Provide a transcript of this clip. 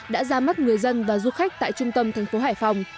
đã ra mắt người dân và du khách tại trung tâm thành phố hải phòng